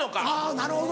なるほど。